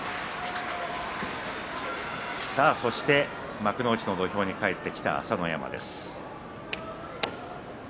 幕内の土俵に帰ってきた朝乃山です。